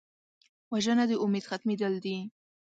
وژنه د امید ختمېدل دي